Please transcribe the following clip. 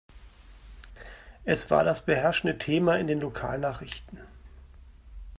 Es war das beherrschende Thema in den Lokalnachrichten.